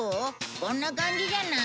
こんな感じじゃない？